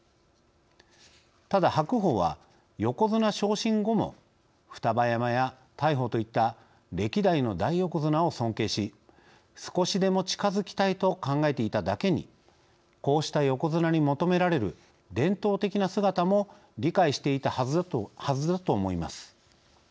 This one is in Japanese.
ただ、白鵬は横綱昇進後も双葉山や大鵬といった歴代の大横綱を尊敬し少しでも近づきたいと考えていただけにこうした横綱に求められる伝統的な姿も理解していたはずだと思います。